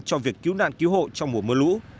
cho việc cứu nạn cứu hộ trong mùa mưa lũ